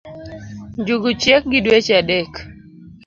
njungu chiek gi dweche adek